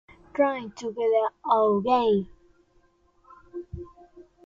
C- Trying To Get Out Again.